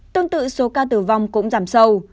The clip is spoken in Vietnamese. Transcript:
tương tự số ca tử vong cũng giảm sâu